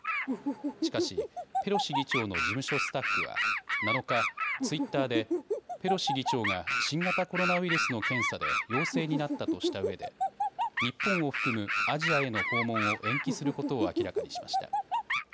しかしペロシ議長の事務所スタッフは７日、ツイッターでペロシ議長が新型コロナウイルスの検査で陽性になったとしたうえで日本を含むアジアへの訪問を延期することを明らかにしました。